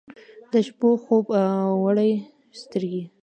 د شپو خوب وړي سترګې